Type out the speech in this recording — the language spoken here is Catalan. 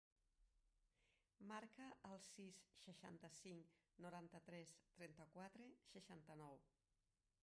Marca el sis, seixanta-cinc, noranta-tres, trenta-quatre, seixanta-nou.